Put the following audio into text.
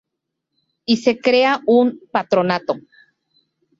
Y se crea un Patronato.